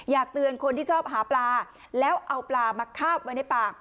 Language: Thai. อยากเตือนคนที่ชอบหาปลาแล้วเอาปลามาคาบไว้ในปาก